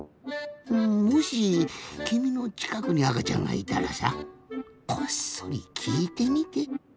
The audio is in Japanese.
うんもしきみのちかくにあかちゃんがいたらさこっそりきいてみて。